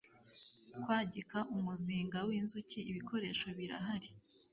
kwagika umuzinga w inzuki ibikoresho birahari